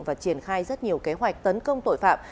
và triển khai rất nhiều kế hoạch tấn công tội phạm